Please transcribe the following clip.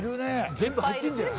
全部入ってんじゃない？